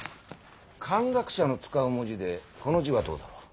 漢学者の使う文字でこの字はどうだろう。